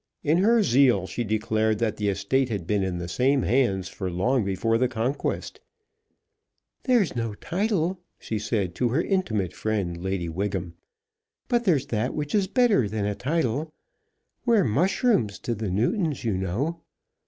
In her zeal she declared that the estate had been in the same hands from long before the Conquest. "There's no title," she said to her intimate friend, Lady Wiggham, "but there's that which is better than a title. We're mushrooms to the Newtons, you know.